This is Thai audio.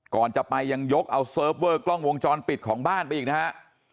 ก่อนจะไปยังยกเอาเซิร์ฟเวอร์กล้องวงจรปิดของบ้านไปอีกนะฮะ